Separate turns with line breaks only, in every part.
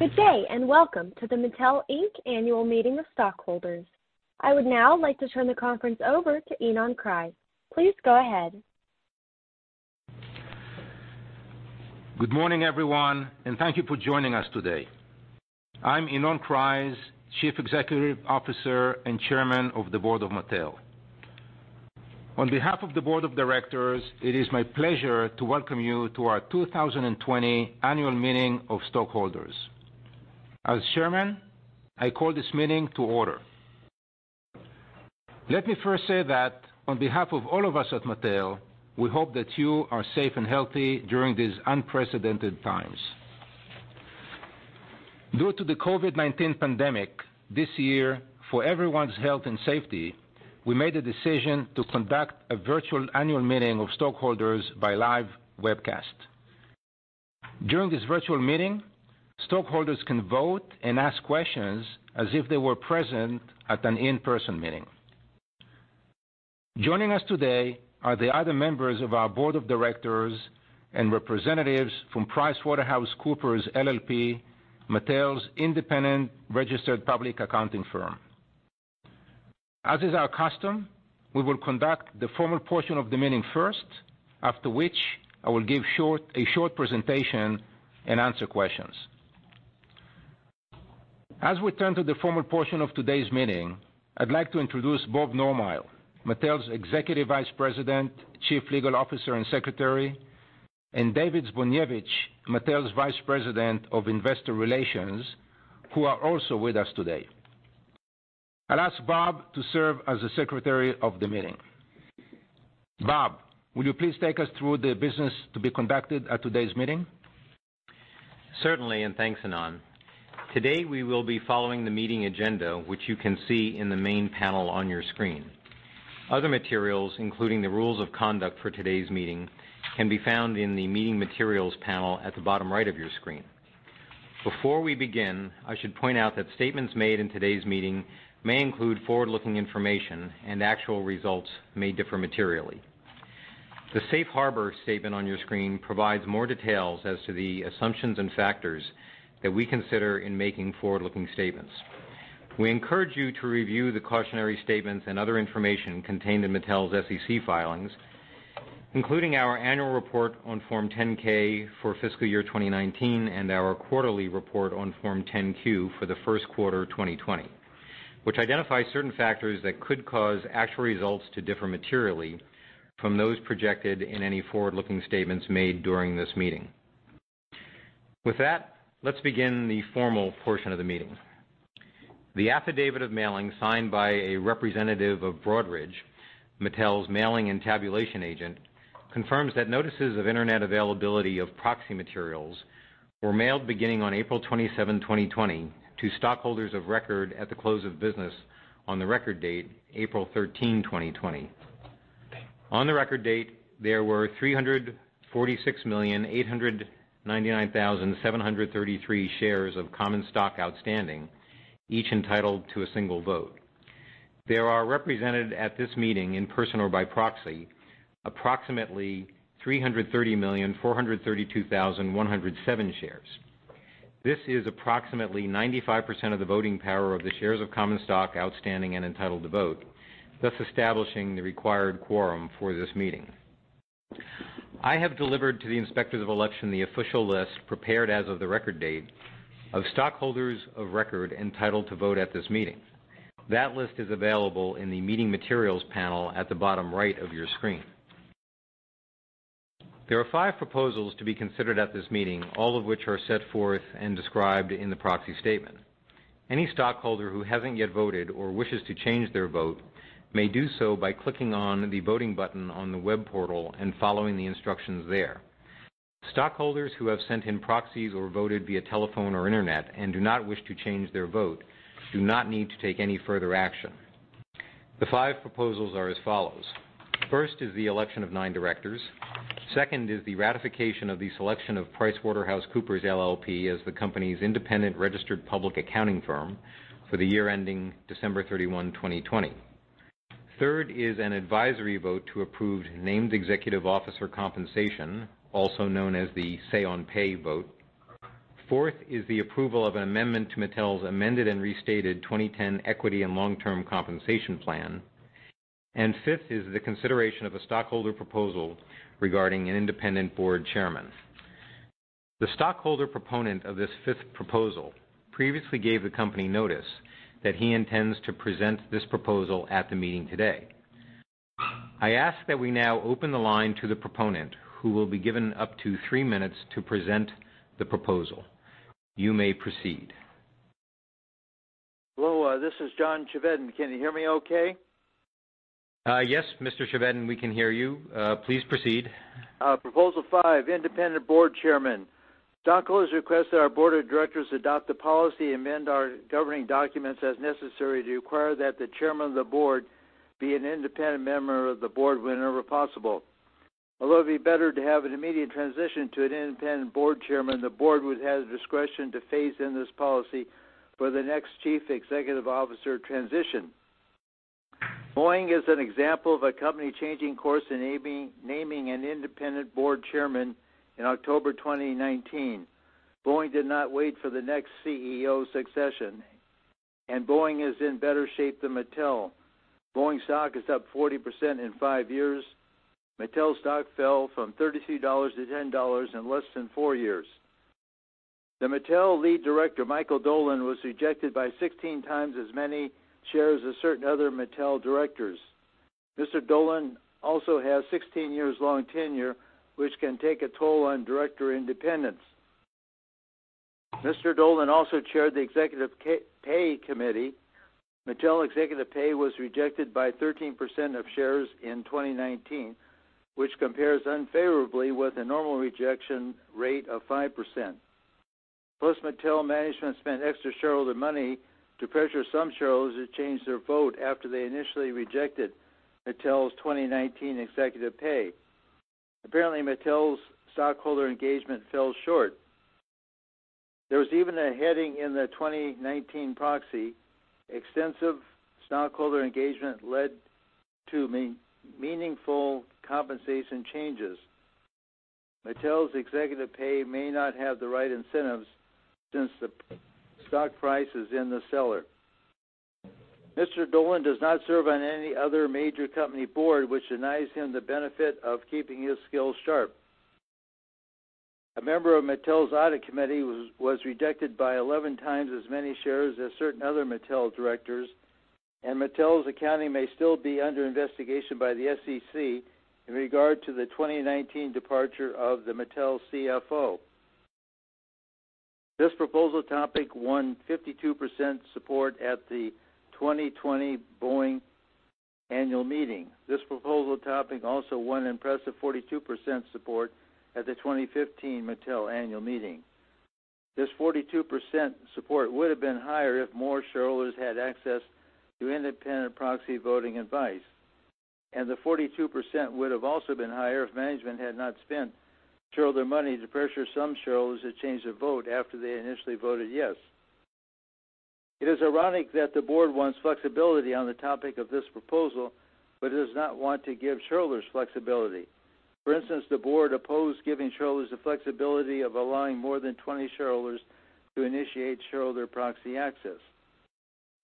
Good day and welcome to the Mattel Annual Meeting of Stockholders. I would now like to turn the conference over to Ynon Kreiz. Please go ahead.
Good morning, everyone, and thank you for joining us today. I'm Ynon Kreiz, Chief Executive Officer and Chairman of the Board of Mattel. On behalf of the Board of Directors, it is my pleasure to welcome you to our 2020 Annual Meeting of Stockholders. As Chairman, I call this meeting to order. Let me first say that, on behalf of all of us at Mattel, we hope that you are safe and healthy during these unprecedented times. Due to the COVID-19 pandemic this year, for everyone's health and safety, we made the decision to conduct a virtual annual meeting of stockholders by live webcast. During this virtual meeting, stockholders can vote and ask questions as if they were present at an in-person meeting. Joining us today are the other members of our Board of Directors and representatives from PricewaterhouseCoopers LLP, Mattel's independent registered public accounting firm. As is our custom, we will conduct the formal portion of the meeting first, after which I will give a short presentation and answer questions. As we turn to the formal portion of today's meeting, I'd like to introduce Bob Nomile, Mattel's Executive Vice President, Chief Legal Officer and Secretary, and David Zbojniewicz, Mattel's Vice President of Investor Relations, who are also with us today. I'll ask Bob to serve as the Secretary of the meeting. Bob, will you please take us through the business to be conducted at today's meeting?
Certainly, and thanks, Ynon. Today we will be following the meeting agenda, which you can see in the main panel on your screen. Other materials, including the rules of conduct for today's meeting, can be found in the Meeting Materials panel at the bottom right of your screen. Before we begin, I should point out that statements made in today's meeting may include forward-looking information, and actual results may differ materially. The Safe Harbor statement on your screen provides more details as to the assumptions and factors that we consider in making forward-looking statements. We encourage you to review the cautionary statements and other information contained in Mattel's SEC filings, including our annual report on Form 10-K for fiscal year 2019 and our quarterly report on Form 10-Q for the first quarter 2020, which identifies certain factors that could cause actual results to differ materially from those projected in any forward-looking statements made during this meeting. With that, let's begin the formal portion of the meeting. The affidavit of mailing signed by a representative of Broadridge, Mattel's mailing and tabulation agent, confirms that notices of internet availability of proxy materials were mailed beginning on April 27, 2020, to stockholders of record at the close of business on the record date, April 13, 2020. On the record date, there were 346,899,733 shares of common stock outstanding, each entitled to a single vote. There are represented at this meeting in person or by proxy approximately 330,432,107 shares. This is approximately 95% of the voting power of the shares of common stock outstanding and entitled to vote, thus establishing the required quorum for this meeting. I have delivered to the Inspectors of Election the official list prepared as of the record date of stockholders of record entitled to vote at this meeting. That list is available in the Meeting Materials panel at the bottom right of your screen. There are five proposals to be considered at this meeting, all of which are set forth and described in the proxy statement. Any stockholder who has not yet voted or wishes to change their vote may do so by clicking on the voting button on the web portal and following the instructions there. Stockholders who have sent in proxies or voted via telephone or internet and do not wish to change their vote do not need to take any further action. The five proposals are as follows. First is the election of nine directors. Second is the ratification of the selection of PricewaterhouseCoopers LLP as the company's independent registered public accounting firm for the year ending December 31, 2020. Third is an advisory vote to approve named executive officer compensation, also known as the Say On Pay vote. Fourth is the approval of an amendment to Mattel's amended and restated 2010 Equity and Long-Term Compensation Plan. Fifth is the consideration of a stockholder proposal regarding an independent board chairman. The stockholder proponent of this fifth proposal previously gave the company notice that he intends to present this proposal at the meeting today. I ask that we now open the line to the proponent, who will be given up to three minutes to present the proposal. You may proceed.
Hello. This is John Chevedden. Can you hear me okay?
Yes, Mr. Chevedden, we can hear you. Please proceed.
Proposal five, independent board chairman. Stockholders request that our board of directors adopt the policy and amend our governing documents as necessary to require that the chairman of the board be an independent member of the board whenever possible. Although it would be better to have an immediate transition to an independent board chairman, the board would have the discretion to phase in this policy for the next chief executive officer transition. Boeing is an example of a company changing course in naming an independent board chairman in October 2019. Boeing did not wait for the next CEO succession, and Boeing is in better shape than Mattel. Boeing stock is up 40% in five years. Mattel stock fell from $32-$10 in less than four years. The Mattel lead director, Michael Dolan, was rejected by 16 times as many shares as certain other Mattel directors. Mr. Dolan also has 16 years long tenure, which can take a toll on director independence. Mr. Dolan also chaired the Executive Pay Committee. Mattel Executive Pay was rejected by 13% of shares in 2019, which compares unfavorably with a normal rejection rate of 5%. Plus, Mattel management spent extra shareholder money to pressure some shareholders to change their vote after they initially rejected Mattel's 2019 Executive Pay. Apparently, Mattel's stockholder engagement fell short. There was even a heading in the 2019 proxy, "Extensive stockholder engagement led to meaningful compensation changes." Mattel's Executive Pay may not have the right incentives since the stock price is in the seller. Mr. Dolan does not serve on any other major company board, which denies him the benefit of keeping his skills sharp. A member of Mattel's audit committee was rejected by 11 times as many shares as certain other Mattel directors, and Mattel's accounting may still be under investigation by the SEC in regard to the 2019 departure of the Mattel CFO. This proposal topic won 52% support at the 2020 Boeing annual meeting. This proposal topic also won impressive 42% support at the 2015 Mattel annual meeting. This 42% support would have been higher if more shareholders had access to independent proxy voting advice. The 42% would have also been higher if management had not spent shareholder money to pressure some shareholders to change their vote after they initially voted yes. It is ironic that the board wants flexibility on the topic of this proposal, but it does not want to give shareholders flexibility. For instance, the board opposed giving shareholders the flexibility of allowing more than 20 shareholders to initiate shareholder proxy access.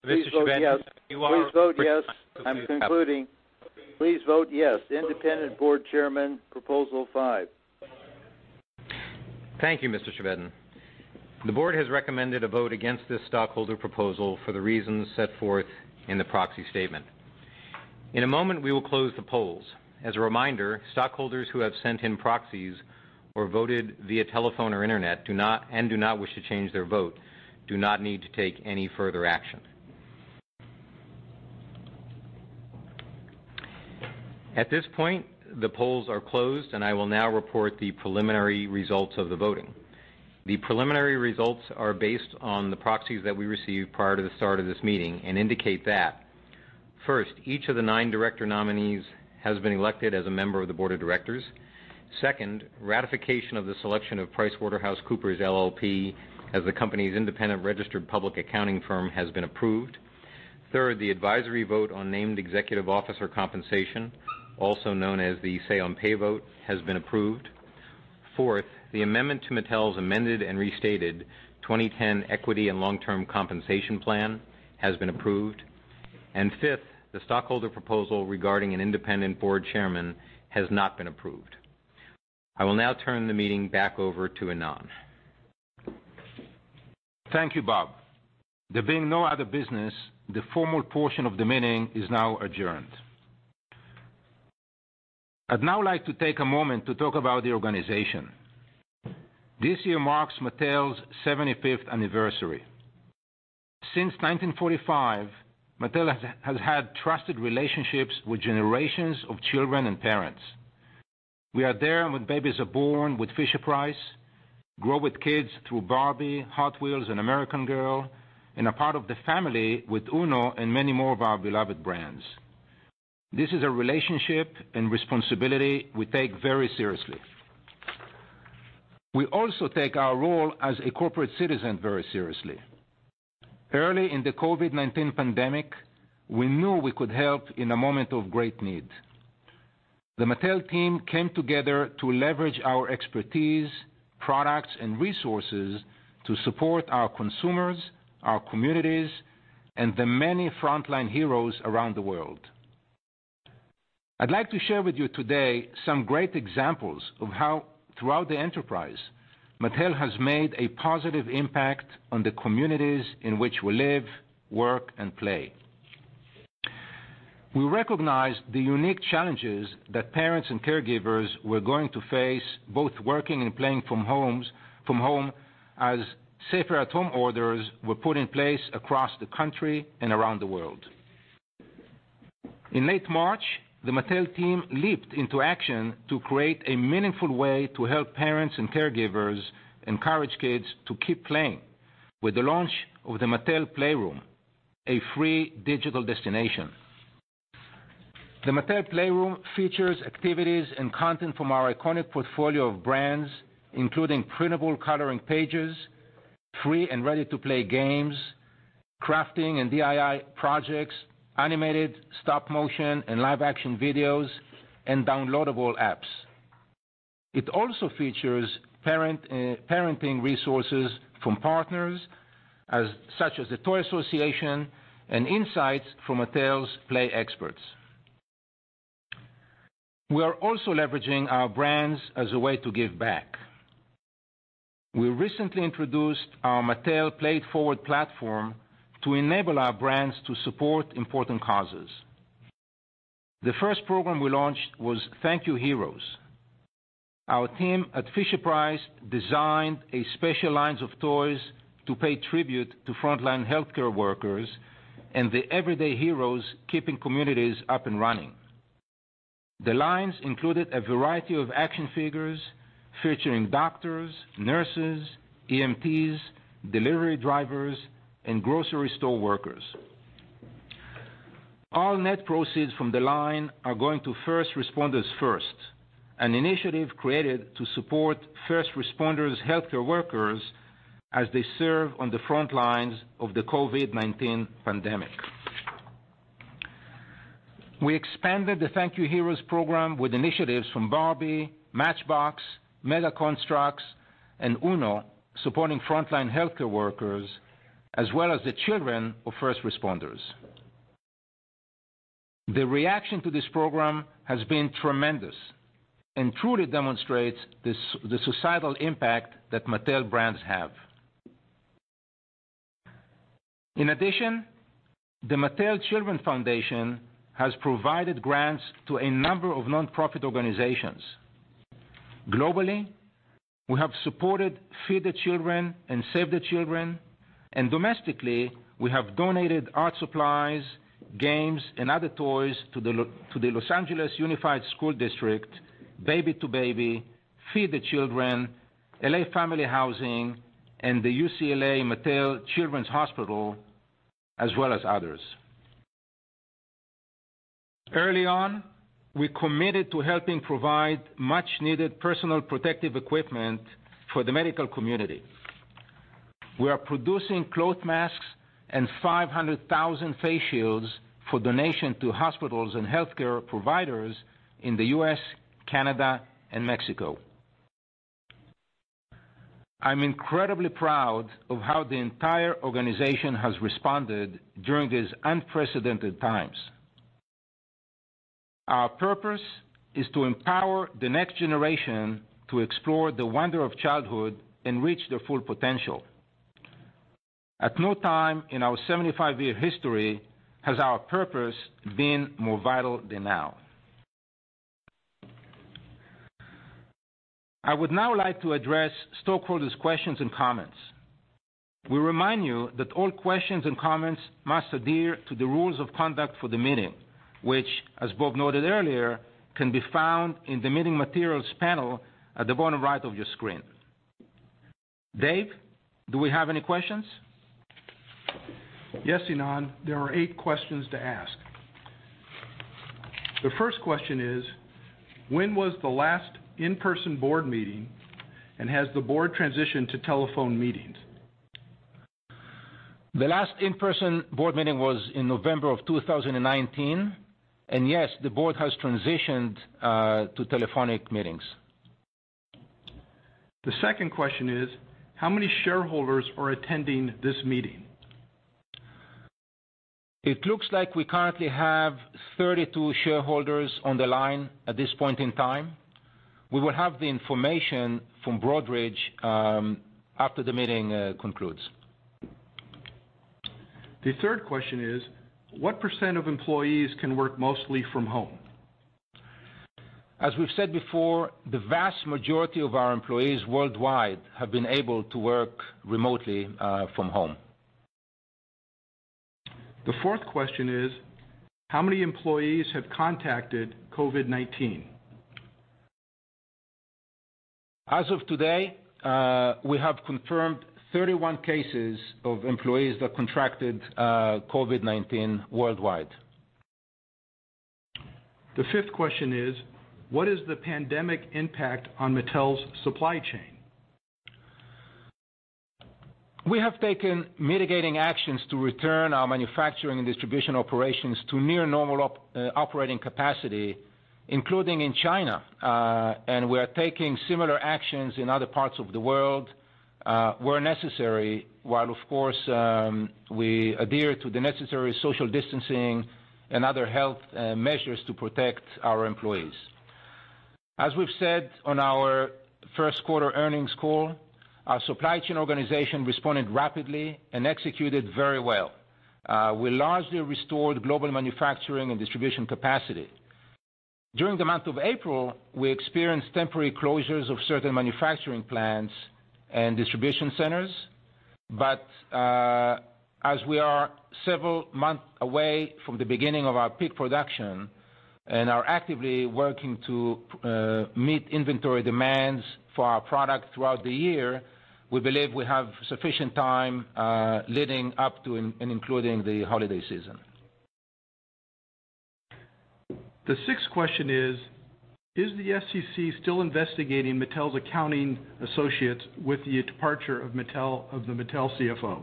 Mr. Chevedden, you are? Please vote yes. I'm concluding. Please vote yes. Independent board chairman proposal five.
Thank you, Mr. Chevedden. The board has recommended a vote against this stockholder proposal for the reasons set forth in the proxy statement. In a moment, we will close the polls. As a reminder, stockholders who have sent in proxies or voted via telephone or internet and do not wish to change their vote do not need to take any further action. At this point, the polls are closed, and I will now report the preliminary results of the voting. The preliminary results are based on the proxies that we received prior to the start of this meeting and indicate that: first, each of the nine director nominees has been elected as a member of the board of directors. Second, ratification of the selection of PricewaterhouseCoopers LLP as the company's independent registered public accounting firm has been approved. Third, the advisory vote on named executive officer compensation, also known as the Say On Pay vote, has been approved. Fourth, the amendment to Mattel's amended and restated 2010 Equity and Long-Term Compensation Plan has been approved. Fifth, the stockholder proposal regarding an independent board chairman has not been approved. I will now turn the meeting back over to Ynon.
Thank you, Bob. There being no other business, the formal portion of the meeting is now adjourned. I'd now like to take a moment to talk about the organization. This year marks Mattel's 75th anniversary. Since 1945, Mattel has had trusted relationships with generations of children and parents. We are there when babies are born with Fisher-Price, grow with kids through Barbie, Hot Wheels, and American Girl, and are part of the family with Uno and many more of our beloved brands. This is a relationship and responsibility we take very seriously. We also take our role as a corporate citizen very seriously. Early in the COVID-19 pandemic, we knew we could help in a moment of great need. The Mattel team came together to leverage our expertise, products, and resources to support our consumers, our communities, and the many frontline heroes around the world. I'd like to share with you today some great examples of how, throughout the enterprise, Mattel has made a positive impact on the communities in which we live, work, and play. We recognize the unique challenges that parents and caregivers were going to face both working and playing from home as safer-at-home orders were put in place across the country and around the world. In late March, the Mattel team leaped into action to create a meaningful way to help parents and caregivers encourage kids to keep playing with the launch of the Mattel Playroom, a free digital destination. The Mattel Playroom features activities and content from our iconic portfolio of brands, including printable coloring pages, free and ready-to-play games, crafting and DIY projects, animated stop-motion and live-action videos, and downloadable apps. It also features parenting resources from partners such as the Toy Association and insights from Mattel's play experts. We are also leveraging our brands as a way to give back. We recently introduced our Mattel Play Forward platform to enable our brands to support important causes. The first program we launched was Thank You Heroes. Our team at Fisher-Price designed a special line of toys to pay tribute to frontline healthcare workers and the everyday heroes keeping communities up and running. The line included a variety of action figures featuring doctors, nurses, EMTs, delivery drivers, and grocery store workers. All net proceeds from the line are going to First Responders First, an initiative created to support First Responders healthcare workers as they serve on the frontlines of the COVID-19 pandemic. We expanded the Thank You Heroes program with initiatives from Barbie, Matchbox, MEGA, and UNO supporting frontline healthcare workers, as well as the children of First Responders. The reaction to this program has been tremendous and truly demonstrates the societal impact that Mattel brands have. In addition, the Mattel Children Foundation has provided grants to a number of nonprofit organizations. Globally, we have supported Feed the Children and Save the Children, and domestically, we have donated art supplies, games, and other toys to the Los Angeles Unified School District, Baby to Baby, Feed the Children, LA Family Housing, and the UCLA Mattel Children's Hospital, as well as others. Early on, we committed to helping provide much-needed personal protective equipment for the medical community. We are producing cloth masks and 500,000 face shields for donation to hospitals and healthcare providers in the US, Canada, and Mexico. I'm incredibly proud of how the entire organization has responded during these unprecedented times. Our purpose is to empower the next generation to explore the wonder of childhood and reach their full potential. At no time in our 75 year history has our purpose been more vital than now. I would now like to address stockholders' questions and comments. We remind you that all questions and comments must adhere to the rules of conduct for the meeting, which, as Bob noted earlier, can be found in the meeting materials panel at the bottom right of your screen. Dave, do we have any questions?
Yes, Ynon. There are eight questions to ask. The first question is, when was the last in-person board meeting, and has the board transitioned to telephone meetings? The last in-person board meeting was in November of 2019, and yes, the board has transitioned to telephonic meetings.
The second question is, how many shareholders are attending this meeting?
It looks like we currently have 32 shareholders on the line at this point in time. We will have the information from Broadridge after the meeting concludes.
The third question is, what percent of employees can work mostly from home?
As we've said before, the vast majority of our employees worldwide have been able to work remotely from home.
The fourth question is, how many employees have contracted COVID-19?
As of today, we have confirmed 31 cases of employees that contracted COVID-19 worldwide.
The fifth question is, what is the pandemic impact on Mattel's supply chain?
We have taken mitigating actions to return our manufacturing and distribution operations to near-normal operating capacity, including in China, and we are taking similar actions in other parts of the world where necessary, while, of course, we adhere to the necessary social distancing and other health measures to protect our employees. As we've said on our first quarter earnings call, our supply chain organization responded rapidly and executed very well. We largely restored global manufacturing and distribution capacity. During the month of April, we experienced temporary closures of certain manufacturing plants and distribution centers, but as we are several months away from the beginning of our peak production and are actively working to meet inventory demands for our product throughout the year, we believe we have sufficient time leading up to and including the holiday season.
The sixth question is, is the SEC still investigating Mattel's accounting associates with the departure of the Mattel CFO?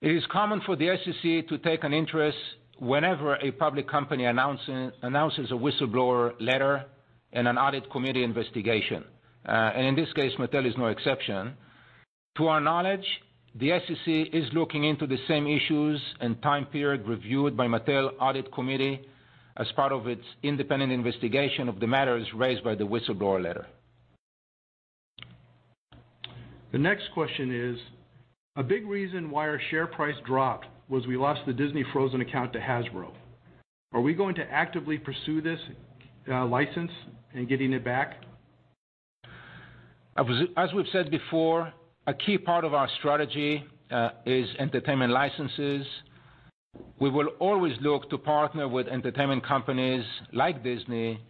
It is common for the SEC to take an interest whenever a public company announces a whistleblower letter and an audit committee investigation, and in this case, Mattel is no exception. To our knowledge, the SEC is looking into the same issues and time period reviewed by the Mattel audit committee as part of its independent investigation of the matters raised by the whistleblower letter. The next question is, a big reason why our share price dropped was we lost the Disney Frozen account to Hasbro. Are we going to actively pursue this license and getting it back?
As we've said before, a key part of our strategy is entertainment licenses. We will always look to partner with entertainment companies like Disney,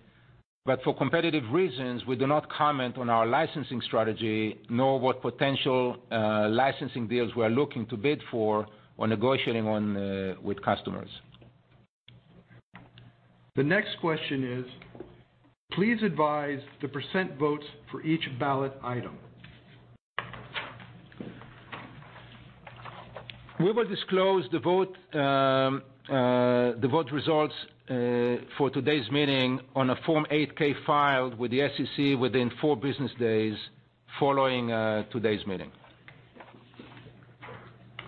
but for competitive reasons, we do not comment on our licensing strategy nor what potential licensing deals we are looking to bid for or negotiating on with customers.
The next question is, please advise the percent votes for each ballot item.
We will disclose the vote results for today's meeting on a Form 8-K filed with the SEC within four business days following today's meeting.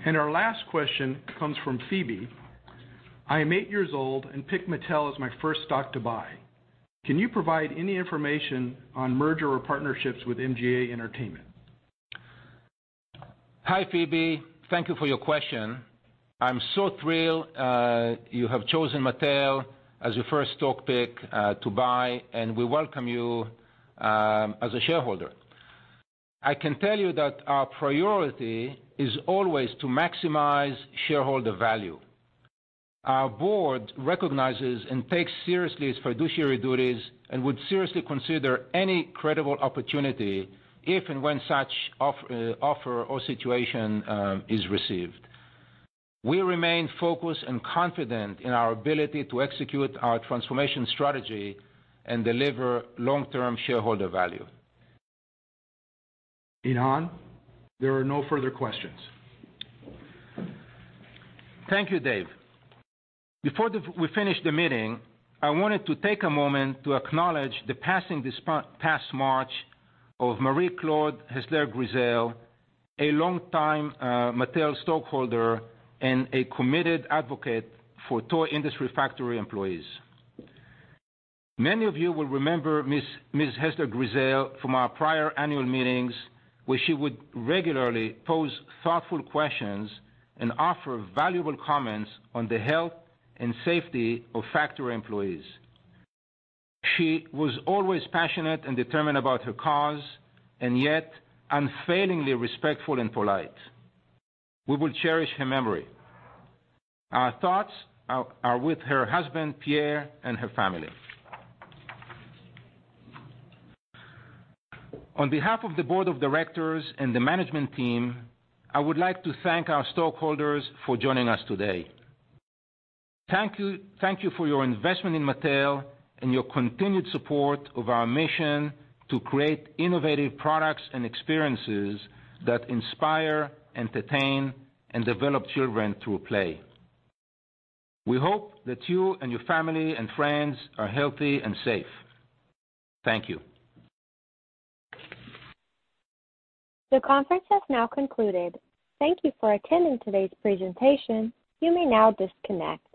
Our last question comes from Phoebe. I am eight years old and picked Mattel as my first stock to buy. Can you provide any information on merger or partnerships with MGA Entertainment?
Hi, Phoebe. Thank you for your question. I'm so thrilled you have chosen Mattel as your first stock pick to buy, and we welcome you as a shareholder. I can tell you that our priority is always to maximize shareholder value. Our board recognizes and takes seriously its fiduciary duties and would seriously consider any credible opportunity if and when such offer or situation is received. We remain focused and confident in our ability to execute our transformation strategy and deliver long-term shareholder value.
Ynon, there are no further questions.
Thank you, Dave. Before we finish the meeting, I wanted to take a moment to acknowledge the passing this past March of Marie Claude Heisler-Grisel, a longtime Mattel stockholder and a committed advocate for toy industry factory employees. Many of you will remember Ms. Heisler-Grisel from our prior annual meetings, where she would regularly pose thoughtful questions and offer valuable comments on the health and safety of factory employees. She was always passionate and determined about her cause, and yet unfailingly respectful and polite. We will cherish her memory. Our thoughts are with her husband, Pierre, and her family. On behalf of the board of directors and the management team, I would like to thank our stockholders for joining us today. Thank you for your investment in Mattel and your continued support of our mission to create innovative products and experiences that inspire, entertain, and develop children through play. We hope that you and your family and friends are healthy and safe. Thank you.
The conference has now concluded. Thank you for attending today's presentation. You may now disconnect.